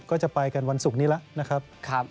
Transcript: ก็จะไปกันวันศุกร์นี้แล้วนะครับ